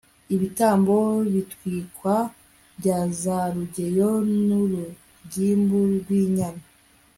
ibitambo bitwikwa bya za rugeyo n'urugimbu rw'inyana